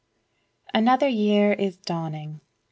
Another year is dawning!